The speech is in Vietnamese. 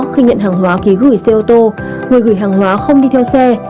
khi nhận hàng hóa ký gửi xe ô tô người gửi hàng hóa không đi theo xe